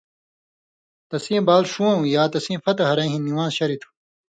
تسیں بال ݜُون٘وؤں یا تسیں فتح ہرَیں ہِن نِوان٘ز شریۡ تھُو۔